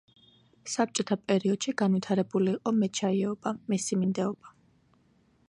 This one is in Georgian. საბჭოთა პერიოდში განვითარებული იყო მეჩაიეობა, მესიმინდეობა.